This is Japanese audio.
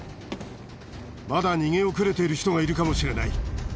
まだ逃げ遅れている人がいるかもしれない。